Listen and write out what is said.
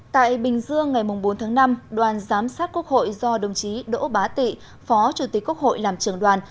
tại bình dương ngày bốn tháng năm đoàn giám sát quốc hội do đồng chí đỗ bá tị phó chủ tịch quốc hội làm trưởng đoàn